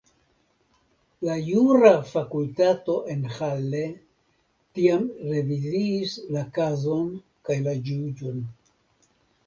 La jura fakultato en Halle tiam reviziis la kazon kaj la juĝon.